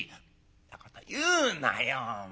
「んなこと言うなよお前。